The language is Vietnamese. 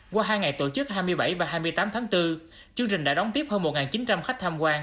qua hai ngày tổ chức hai mươi bảy và hai mươi tám tháng bốn chương trình đã đón tiếp hơn một chín trăm linh khách tham quan